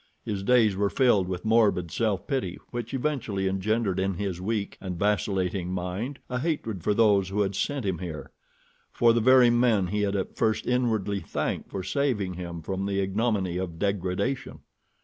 His days were filled with morbid self pity, which eventually engendered in his weak and vacillating mind a hatred for those who had sent him here—for the very men he had at first inwardly thanked for saving him from the ignominy of degradation.